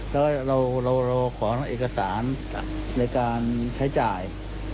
แล้วเราขอเอกสารในการใช้จ่าย